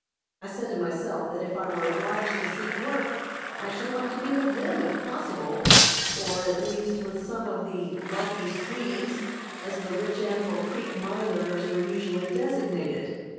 I said to myself that if I were obliged to seek work I should like to be with them if possible; or, at least, with some of the "lucky Swedes," as the rich Anvil Creek mine owners were usually designated.